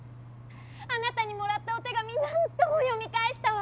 あなたにもらったお手紙何度も読み返したわ。